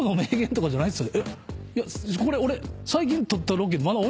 これ俺。